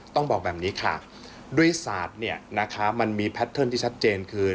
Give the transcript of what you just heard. ต้องบอกแบบนี้ค่ะด้วยศาสตร์เนี่ยนะคะมันมีแพทเทิร์นที่ชัดเจนคือ